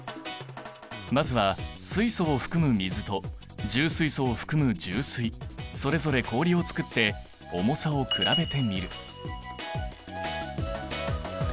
まずは水素を含む水と重水素を含む重水それぞれ氷を作って重さを比べてみる。